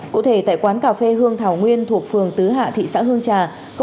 cụ thể tại quán cà phê hương thảo nguyên thuộc phường tứ hạ thị xã hương trà